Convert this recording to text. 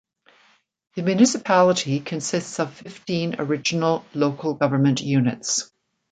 The municipality consists of fifteen original local government units.